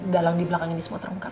dalam di belakang ini semua terungkap